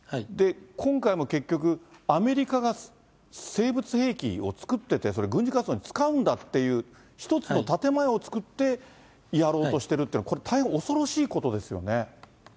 今回も結局、アメリカが生物兵器を作ってて、それを軍事活動に使うんだっていう一つの建て前を作ってやろうとしてるっていうのは、これ、大変恐ろしいことですよね。